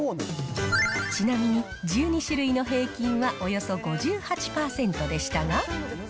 ちなみに１２種類の平均はおよそ５８％でしたが。